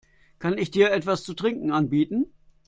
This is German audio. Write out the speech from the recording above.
Kann ich dir etwas zu trinken anbieten?